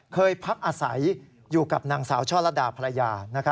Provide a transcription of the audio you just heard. พักอาศัยอยู่กับนางสาวช่อลัดดาภรรยา